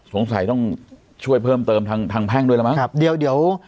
สงสัยต้องช่วยเพิ่มเติมทางทางแพ่งด้วยแล้วมั้งครับเดี๋ยวเดี๋ยว